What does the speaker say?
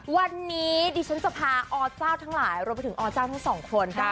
วันนี้ดิฉันจะพาอเจ้าทั้งหลายรวมไปถึงอเจ้าทั้งสองคน